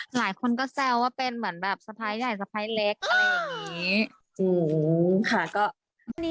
หลายคนก็แซวว่าเป็นแบบสไพร์ฟใหญ่สไพร์ฟเล็กแบบอย่างนี้